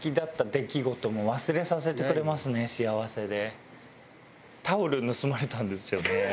幸せで。